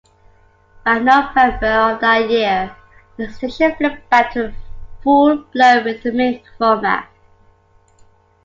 By November of that year, the station flipped back to a full-blown Rhythmic format.